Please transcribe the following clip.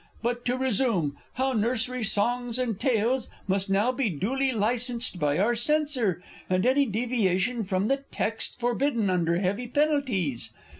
But to resume; how Nursery Songs and Tales Must now be duly licensed by our Censor, And any deviation from the text Forbidden under heavy penalties?